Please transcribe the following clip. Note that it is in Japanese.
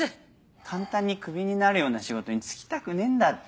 簡単にクビになるような仕事に就きたくねえんだって。